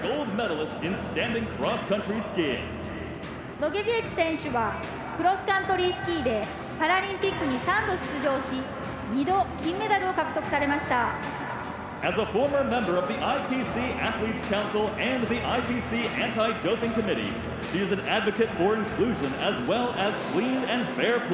ロゲヴィェジ選手はクロスカントリースキーでパラリンピックに３度出場し２度、金メダルを獲得されました。